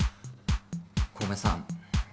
小梅さん